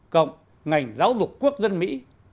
cộng ngành giáo dục quốc dân mỹ